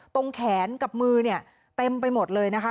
ตรงแขนกับมือเนี่ยเต็มไปหมดเลยนะคะ